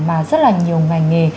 mà rất là nhiều ngành nghề